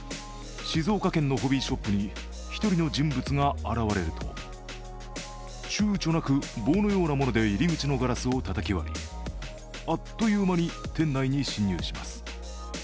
静岡県のホビーショップに１人の人物が現れるとちゅうちょなく棒のようなもので入り口のガラスをたたき割りあっという間に店内に侵入します。